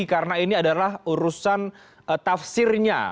karena ini adalah urusan tafsirnya